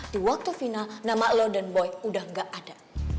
di waktu final nama lo dan boy udah gak ada